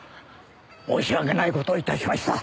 申し訳ない事をいたしました。